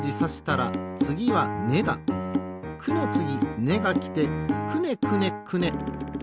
「く」のつぎ「ね」がきてくねくねくね。